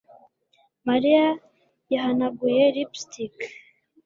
Mariya yahanaguye lipstick